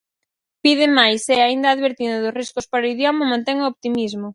Pide máis e, aínda advertindo dos riscos para o idioma, mantén o optimismo.